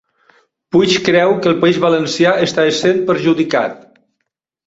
Puig creu que el País Valencià està essent perjudicat